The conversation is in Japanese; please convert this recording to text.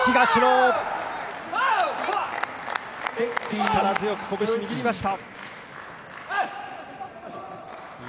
力強くこぶし、握りました。